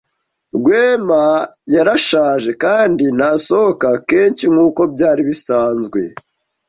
Rwema yarashaje kandi ntasohoka kenshi nkuko byari bisanzwe.